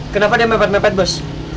kenapa dia mepet mepet bus